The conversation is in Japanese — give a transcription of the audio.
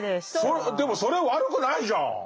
でもそれは悪くないじゃん！